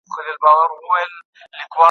مدیر معلومات ارزول.